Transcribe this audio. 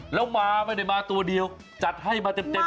แล้วมาไม่ได้มาตัวเดียวจัดให้มาเต็ม